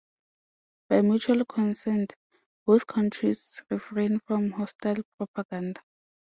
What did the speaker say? By mutual consent, both countries refrain from hostile propaganda.